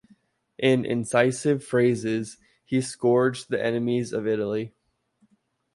In incisive phrases he scourged the enemies of Italy.